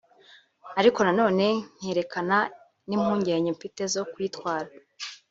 ariko nanone nkerekana n’impungenge mfite zo kuyitwara